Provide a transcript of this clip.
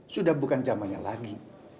sudah bukan zamannya lagi